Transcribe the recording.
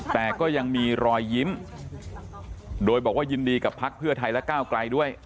แต่ก็ยังมีรอยยิ้มโดยบอกว่ายินดีกับพักเพื่อไทยและก้าวไกลด้วย